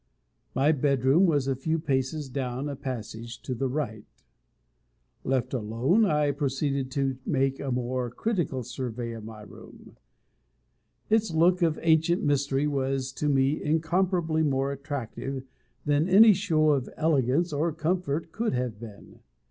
My bedroom was a few paces down a passage to the right. Left alone, I proceeded to make a more critical survey of my room. Its look of ancient mystery was to me incomparably more attractive than any show of elegance or comfort could have been.